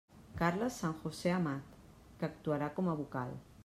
Carles San José Amat, que actuarà com a vocal.